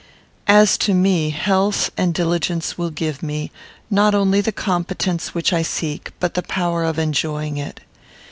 "As to me, health and diligence will give me, not only the competence which I seek, but the power of enjoying it.